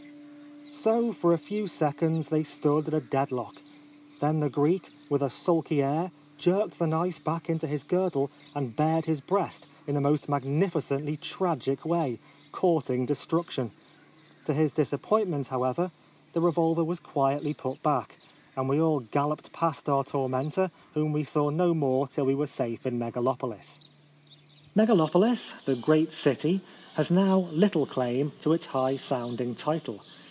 So for a few seconds they stood at a dead lock. Then the Greek, with a sulky air, jerked the knife back into his girdle, and bared his breast in the most mag nificently tragic way, courting de struction. To his disappointment, however, the revolver was quietly put back, and we all galloped past our tormentor, whom we saw no more till we were safe in Megalo polis. Megalopolis — the great city — has now little claim to its high sound ing title.